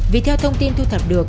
vì theo thông tin thu thập được